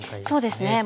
そうですね。